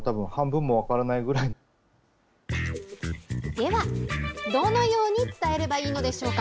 では、どのように伝えればいいのでしょうか。